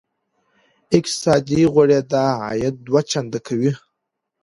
اقتصادي غوړېدا عاید دوه چنده کوي.